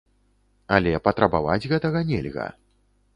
Але патрабаваць гэтага нельга.